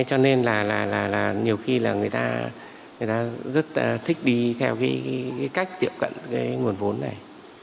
cho nên là nhiều khi là người ta người ta rất thích đi theo cái cách tiệm cận cái nguồn vốn này